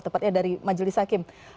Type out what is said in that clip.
tepatnya dari majelis hakim